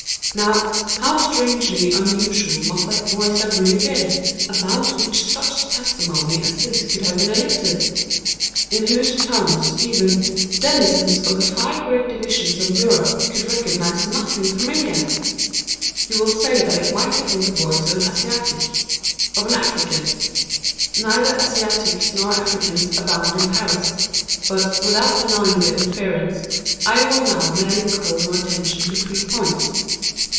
Now, how strangely unusual must that voice have really been, about which such testimony as this could have been elicited!—in whose tones, even, denizens of the five great divisions of Europe could recognise nothing familiar! You will say that it might have been the voice of an Asiatic—of an African. Neither Asiatics nor Africans abound in Paris; but, without denying the inference, I will now merely call your attention to three points.